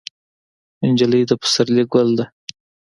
نجلۍ د پسرلي ګل ده.